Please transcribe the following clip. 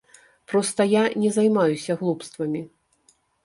Проста я не займаюся глупствамі.